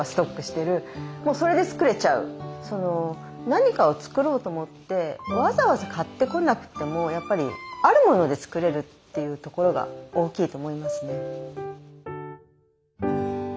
何かを作ろうと思ってわざわざ買ってこなくてもやっぱりあるもので作れるっていうところが大きいと思いますね。